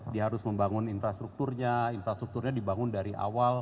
dia harus membangun infrastrukturnya infrastrukturnya dibangun dari awal